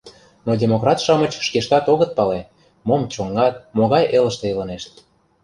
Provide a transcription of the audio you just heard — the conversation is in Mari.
Но демократ-шамыч шкештат огыт пале, мом чоҥат, могай элыште илынешт.